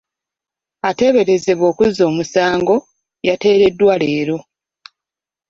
Ateeberezebwa okuzza omusango, yateereddwa leero.